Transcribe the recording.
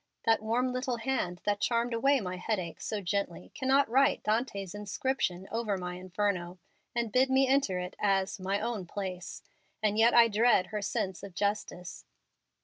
That warm little hand that charmed away my headache so gently cannot write Dante's inscription over my 'Inferno,' and bid me enter it as 'my own place'; and yet I dread her sense of justice."